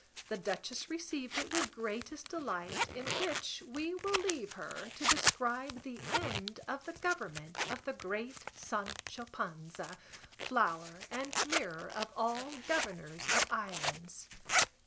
The duchess received it with greatest delight, in which we will leave her, to describe the end of the government of the great Sancho Panza, flower and mirror of all governors of islands.